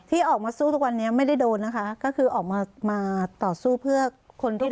ที่ออกมาสู้ทุกวันนี้ไม่ได้โดนนะคะก็คือออกมามาต่อสู้เพื่อคนที่